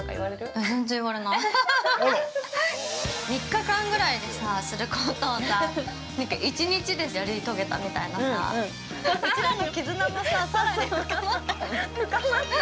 ◆３日間ぐらいですることをさ、何か１日でやり遂げたみたいなさうちらの絆もさ、さらに深まった◆